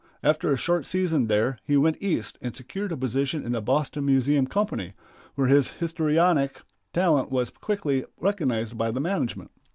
After a short season there he went East and secured a position in the Boston Museum Company, where his histrionic talent was quickly recognized by the management.